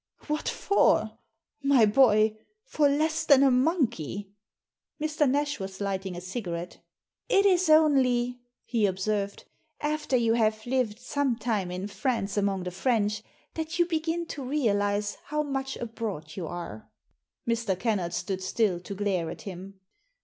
What for? My boy, for less than a monkey!" Mr. Nash was lighting a cigarette. "It is only," he observed, "after you have lived some time in France among the French that you begin to realise how much abroad you are." Mr. Kennard stood still to glare at him.